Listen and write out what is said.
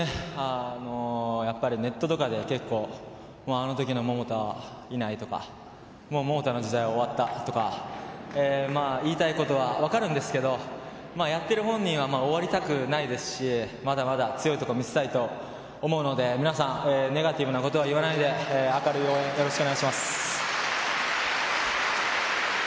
やっぱりネットとかで結構あの時の桃田はいないとか桃田の時代は終わったとか言いたいことは分かるんですけどやってる本人は終わりたくないですしまだまだ強いところを見せたいと思うので皆さんネガティブなことは言わないで明るい応援よろしくお願いします。